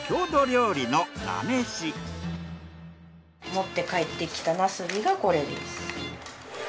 持ってかえってきたなすびがこれです。